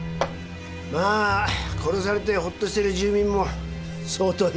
まあ殺されてほっとしてる住民も相当いると思いますよ。